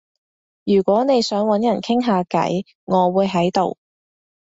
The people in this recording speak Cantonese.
如果你想搵人傾下偈，我會喺度